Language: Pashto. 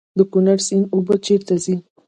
د کونړ سیند اوبه چیرته ځي؟